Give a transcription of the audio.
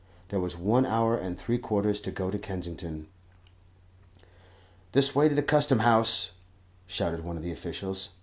There was one hour and three quarters to go to Kensington. "This way to the Custom House," shouted one of the officials.